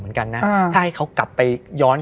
เพื่อที่จะให้แก้วเนี่ยหลอกลวงเค